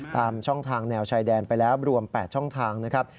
ตามช่องทางแนวชายแดนไปแล้วรวม๘ช่องทางนะครับ